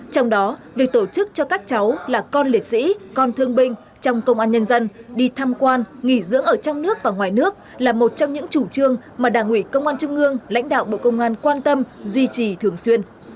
trong đó việc tổ chức cho các cháu là con liệt sĩ con thương binh trong công an nhân dân đi tham quan nghỉ dưỡng ở trong nước và ngoài nước là một trong những chủ trương mà đảng ủy công an trung ương lãnh đạo bộ công an quan tâm duy trì thường xuyên